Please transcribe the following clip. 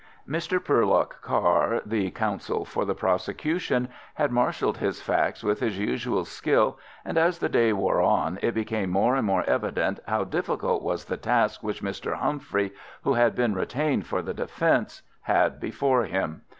Mr. Porlock Carr, the counsel for the prosecution, had marshalled his facts with his usual skill, and as the day wore on, it became more and more evident how difficult was the task which Mr. Humphrey, who had been retained for the defence, had before him.